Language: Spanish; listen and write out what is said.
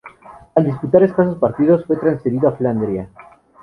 Al disputar escasos partidos, fue transferido a Flandria.